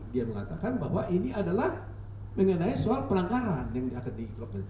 dia mengatakan bahwa ini adalah mengenai soal pelanggaran yang akan dilakukan